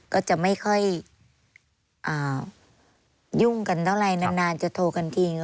ก็จะไม่ค่อยยุ่งกันเท่าไรนานจะโทรกันที